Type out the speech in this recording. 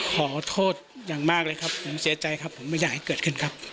ขอโทษอย่างมากเลยครับผมเสียใจครับผมไม่อยากให้เกิดขึ้นครับ